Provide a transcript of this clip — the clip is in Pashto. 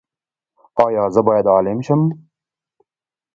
ایا زه باید عالم شم؟